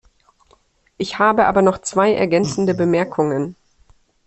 Ich habe aber noch zwei ergänzende Bemerkungen.